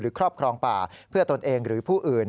ครอบครองป่าเพื่อตนเองหรือผู้อื่น